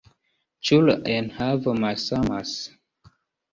Ĉu la enhavo malsamas?